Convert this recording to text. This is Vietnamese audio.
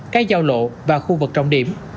cái giao lộ và khu vực trọng điểm